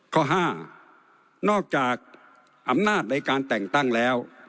ข้อ๕นอกจากอำนาจในการแต่งตั้งแล้ว